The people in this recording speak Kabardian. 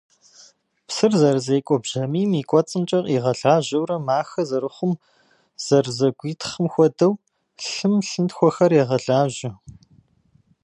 Псыр зэрызекӏуэ бжьамийм и кӏуэцӏымкӏэ къигъэлажьэурэ махэ зэрыхъум, зэрызэгуитхъым хуэдэу, лъыми лъынтхуэхэр егъэлажьэ.